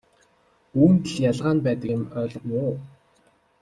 Үүнд л ялгаа нь байдаг юм ойлгов уу?